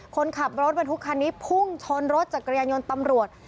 คนขับรถบรรทุกคันนี้พุ่งชนรถจักรยานยนต์ตำรวจ